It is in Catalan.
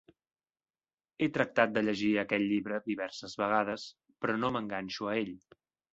He tractat de llegit aquell llibre diverses vegades, però no m'enganxo a ell.